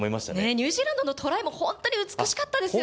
ニュージーランドのトライも、本当に美しかったですよね。